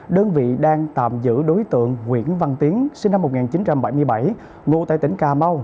đơn vị đang tạm giữ đối tượng nguyễn văn tiến sinh năm một nghìn chín trăm bảy mươi bảy ngụ tại tỉnh cà mau